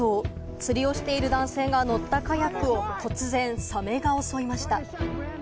釣りをしている男性が乗ったカヤックを突然、サメが襲いました。